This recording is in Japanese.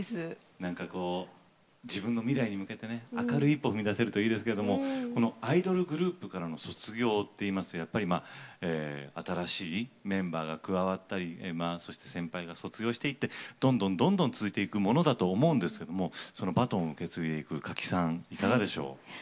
自分の未来に向けて明るい一歩を踏み出さればいいですけどアイドルグループからの卒業っていいますとやっぱり新しいメンバーが加わったり、先輩が卒業をしていってどんどん続いていくものだと思うんですけどもバトンを受け継いでいく賀喜さん、いかがでしょう？